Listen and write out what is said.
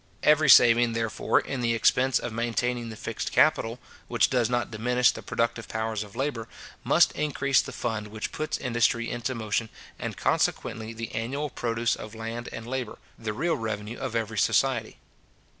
Every saving, therefore, in the expense of maintaining the fixed capital, which does not diminish the productive powers of labour, must increase the fund which puts industry into motion, and consequently the annual produce of land and labour, the real revenue of every society.